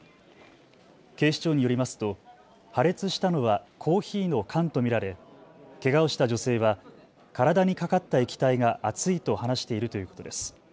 警視庁によりますと破裂したのはコーヒーの缶と見られけがをした女性は体にかかった液体が熱いと話しているということです。